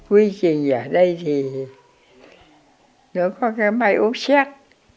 quy trình ở đây thì nếu có cái máy úp xét